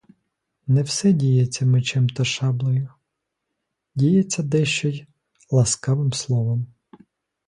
Не все діється мечем та шаблею; діється дещо й ласкавим словом.